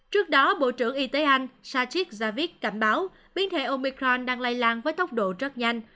trước đó bộ trưởng y tế anh sachit javid cảm báo biến thể omicron đang lay lan với tốc độ rất nhanh